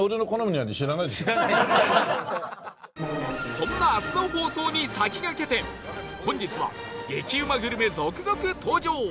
そんな明日の放送に先駆けて本日は激うまグルメ続々登場！